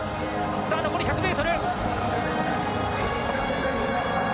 残り１００ｍ。